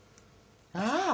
ああ！